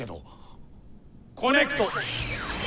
・コネクト！